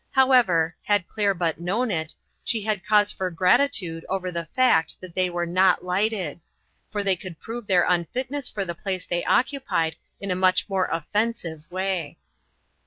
However, had Claire but known it, she had cause for gratitude over the fact that they were not lighted, for they could prove their unfitness for the place they occupied in a much more offen sive way.